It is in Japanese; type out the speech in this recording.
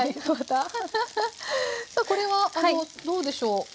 さあこれはどうでしょう？